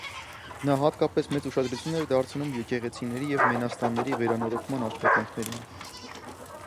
Նա հատկապես մեծ ուշադրություն էր դարձնում եկեղեցիների և մենաստանների վերանորոգման աշխատանքներին։